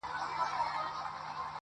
نو ستا د لوړ قامت، کوچنی تشبه ساز نه يم.